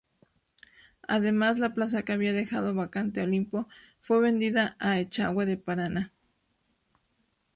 Además, la plaza que había dejado vacante Olimpo fue vendida a Echagüe de Paraná.